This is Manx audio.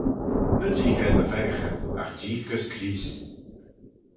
Ny jeeagh er dty pheccaghyn, agh jeeagh gys Creest.